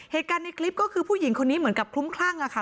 เหตุการณ์ในคลิปก็คือผู้หญิงคนนี้เหมือนกับคลุ้มคลั่งอะค่ะ